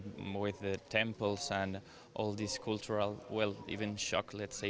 ditambah dengan templenya dan semua kultur bahkan terkejut untuk kita